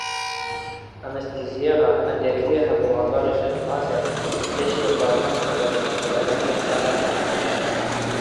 Анестезияға аллергияһы булғандар өсөн лазер — теш һыҙлауынан ҡотолоуҙың берҙән-бер сараһы.